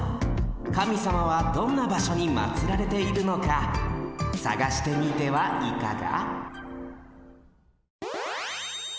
神様はどんなばしょにまつられているのかさがしてみてはいかが？